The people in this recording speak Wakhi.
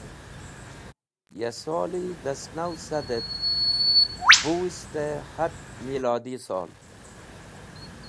Ya soli dhasnaw sad et buwist-e hat milodi sol.